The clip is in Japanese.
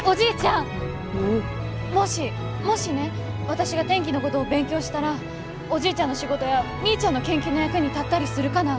私が天気のごどを勉強したらおじいちゃんの仕事やみーちゃんの研究の役に立ったりするかな？